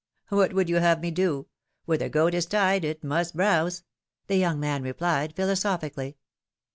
^^What would you have me do? Where the goat is tied, it must browse ! the young man replied, philosophi cally.